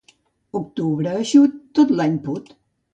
Octubre eixut tot l'any put.